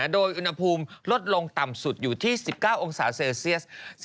โดยอุณหภูมิลดลงต่ำสุดอยู่ที่๑๙องศาเซลเซียส